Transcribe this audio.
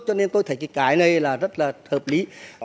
cho nên tôi thấy cái này là rất là hợp lý